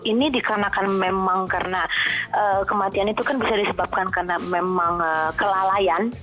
ini dikarenakan memang karena kematian itu kan bisa disebabkan karena memang kelalaian